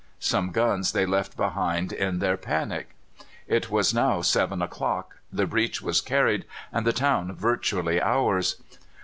Some guns they left behind in their panic. It was now seven o'clock; the breach was carried, and the town virtually ours.